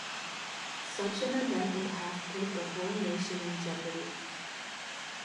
Such an event would have put the whole nation in jeopardy.